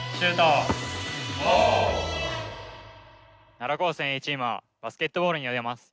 奈良高専Ａチームはバスケットボールになります。